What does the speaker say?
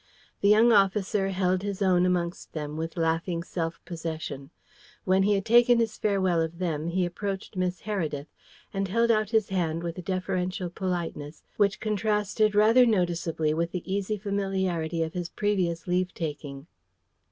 The young officer held his own amongst them with laughing self possession. When he had taken his farewell of them he approached Miss Heredith, and held out his hand with a deferential politeness which contrasted rather noticeably with the easy familiarity of his previous leave taking.